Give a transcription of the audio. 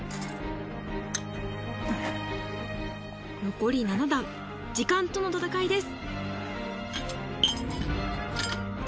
残り７段時間との戦いです。